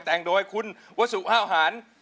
แต่งโดยคุณวสุห้าวหาร